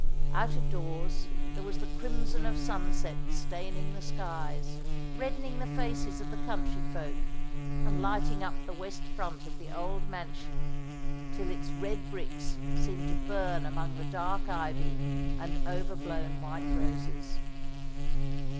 Out of doors there was the crimson of sunset staining the skies, reddening the faces of the countryfolk, and lighting up the west front of the old mansion, till its red bricks seemed to burn among the dark ivy and overblown white roses.